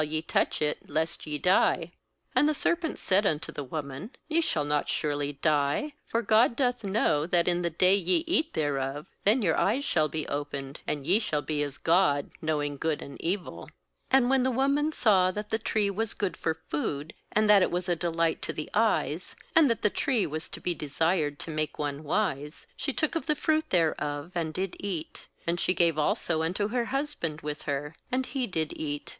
ye touch it, lest ye die/ 4And the serpent said unto the woman: 'Ye shall not surely die; *for God doth know that in the day ye eat thereof, then your eyes shall be opened, ana ye shall be as God, knowing good and evil/ 6And when ^ the woman saw that the tree was good for food, and that it was a delight to the eyes, and that the tree was to be desired to make one wise, she took of the fruit thereof, and did eat; and she gave also unto her husband with her, and he did eat.